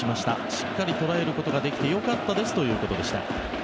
しっかり捉えることができてよかったですということでした。